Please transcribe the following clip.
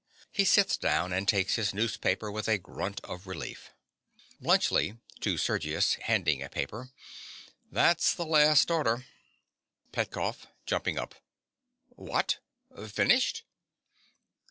(He sits down and takes his newspaper with a grunt of relief.) BLUNTSCHLI. (to Sergius, handing a paper). That's the last order. PETKOFF. (jumping up). What! finished?